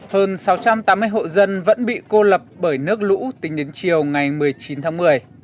hơn sáu trăm tám mươi hộ dân vẫn bị cô lập bởi nước lũ tính đến chiều ngày một mươi chín tháng một mươi